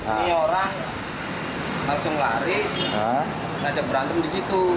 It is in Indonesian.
ini orang langsung lari ngajak berantem di situ